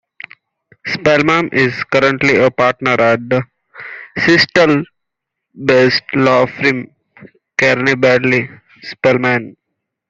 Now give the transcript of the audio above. Spellman is currently a partner at the Seattle-based law firm, Carney Badley Spellman.